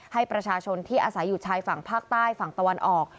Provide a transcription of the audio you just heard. ให้ประชาชนที่อาศัยอยู่ชายฝั่งภาคใต้ฝั่งตะวันออก